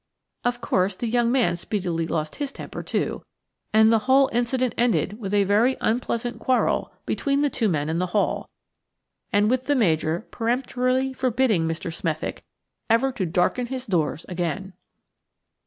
Of course, the young man speedily lost his temper, too, and the whole incident ended with a very unpleasant quarrel between the two men in the hall, and with the Major peremptorily forbidding Mr. Smethick ever to darken his doors again.